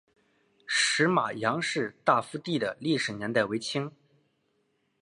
石码杨氏大夫第的历史年代为清。